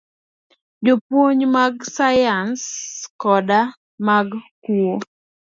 Jopuonj mag sayans koda mag kuo